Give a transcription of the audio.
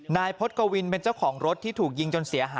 พฤษกวินเป็นเจ้าของรถที่ถูกยิงจนเสียหาย